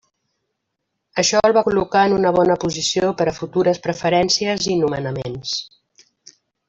Això el va col·locar en una bona posició per a futures preferències i nomenaments.